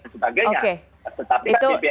tetapi kan pbln kita juga mampu